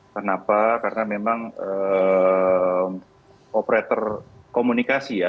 kenapa karena memang operator komunikasi ya